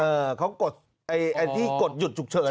เออเขากดไอ้ที่กดหยุดฉุกเฉิน